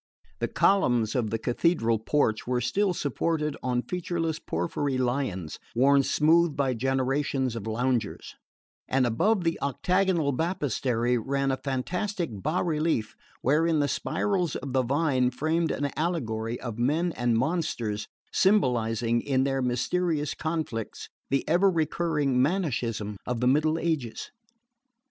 The columns of the Cathedral porch were still supported on featureless porphyry lions worn smooth by generations of loungers; and above the octagonal baptistery ran a fantastic basrelief wherein the spirals of the vine framed an allegory of men and monsters symbolising, in their mysterious conflicts, the ever recurring Manicheism of the middle ages.